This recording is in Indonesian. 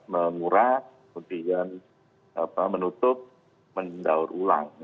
menguras kemudian menutup mendaur ulang